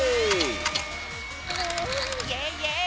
イエイイエイ！